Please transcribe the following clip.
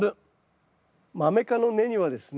マメ科の根にはですね